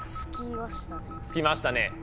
つきましたね。